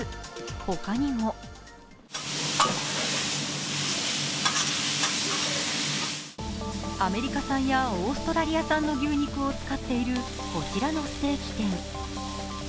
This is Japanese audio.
他にもアメリカ産やオーストラリア産の牛肉を使っているこちらのステーキ店。